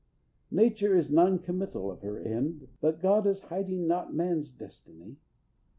Nature is non committal of her end, But God is hiding not man's destiny.